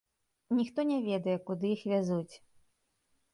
Ніхто не ведае, куды іх вязуць.